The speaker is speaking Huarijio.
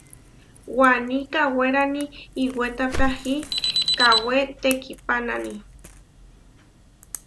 Waní kawérani iʼwéta pahí kawé tekihpánani.